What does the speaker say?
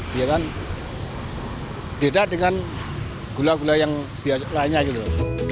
beda dengan gula gula yang lainnya gitu loh